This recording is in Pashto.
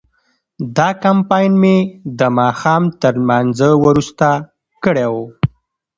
دا کمپاین مې د ماښام تر لمانځه وروسته کړی و.